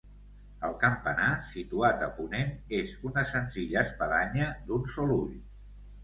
El campanar, situat a ponent, és una senzilla espadanya d'un sol ull.